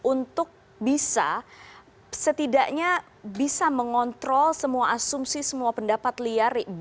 untuk bisa setidaknya bisa mengontrol semua asumsi semua pendapat liar